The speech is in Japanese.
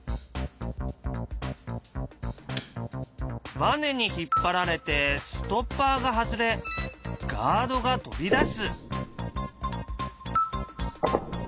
バネに引っ張られてストッパーが外れガードが飛び出す。